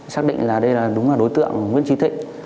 xác định là đây là đúng là đối tượng nguyễn trí thịnh